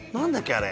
あれ。